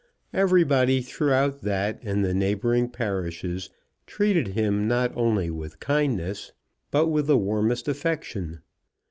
Everybody throughout that and neighbouring parishes treated him not only with kindness, but with the warmest affection.